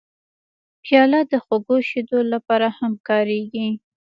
پیاله د خوږو شیدو لپاره هم کارېږي.